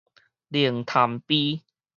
靈潭陂